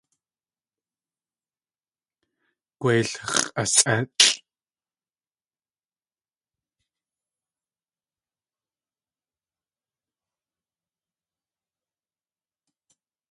Gwéil x̲ʼasʼélʼ!